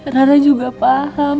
rara juga paham